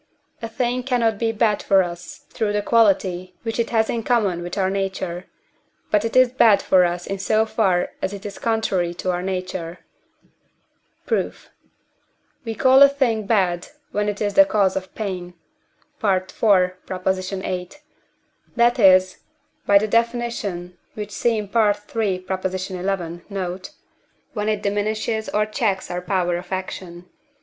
A thing cannot be bad for us through the quality which it has in common with our nature, but it is bad for us in so far as it is contrary to our nature. Proof. We call a thing bad when it is the cause of pain (IV. viii.), that is (by the Def., which see in III. xi. note), when it diminishes or checks our power of action.